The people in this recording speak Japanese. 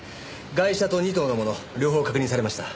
ガイシャと仁藤のもの両方確認されました。